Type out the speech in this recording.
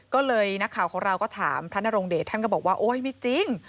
ก็เลยนักข่าวของเราก็ถามพระนรงเดชท่านก็บอกว่าโอ๊ยไม่จริง